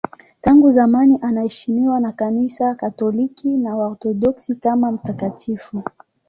Tangu zamani anaheshimiwa na Kanisa Katoliki na Waorthodoksi kama mtakatifu.